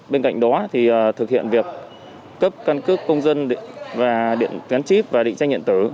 bên cạnh đó thì thực hiện việc cấp căn cơ công dân và điện tiến chip và định tranh nhận tử